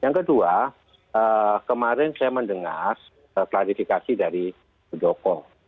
yang kedua kemarin saya mendengar klarifikasi dari budoko